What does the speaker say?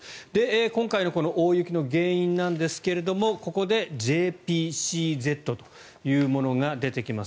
今回の大雪の原因なんですがここでＪＰＣＺというものが出てきます。